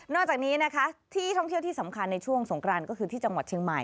จากนี้นะคะที่ท่องเที่ยวที่สำคัญในช่วงสงกรานก็คือที่จังหวัดเชียงใหม่